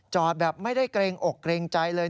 แบบไม่ได้เกรงอกเกรงใจเลย